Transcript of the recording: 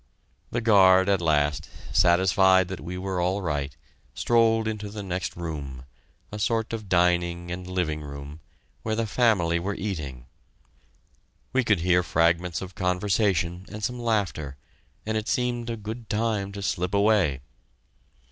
The guard, at last, satisfied that we were all right, strolled into the next room a sort of dining and living room, where the family were eating. We could hear fragments of conversation and some laughter, and it seemed a good time to slip away!